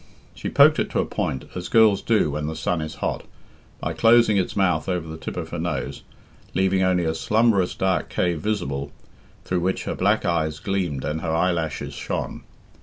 She poked it to a point, as girls do when the sun is hot, by closing its mouth over the tip of her nose, leaving only a slumberous dark cave visible, through which her black eyes gleamed and her eyelashes shone.